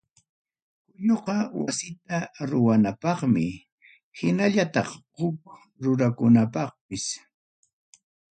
Kulluqa wasita ruwanapaqmi, hinallataq huk ruranakunapaqpas.